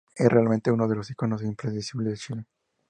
Es, realmente, uno de los íconos imprescindibles de Chile.